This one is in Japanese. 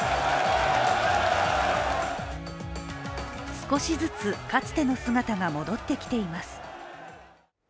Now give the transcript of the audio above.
少しずつかつての姿が戻ってきています。